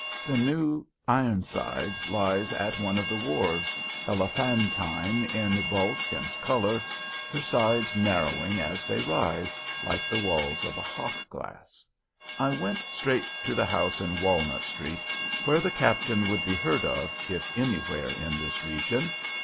The New Ironsides lies at one of the wharves, elephantine in bulk and color, her sides narrowing as they rise, like the walls of a hock glass. I went straight to the house in Walnut Street where the Captain would be heard of, if anywhere in this region.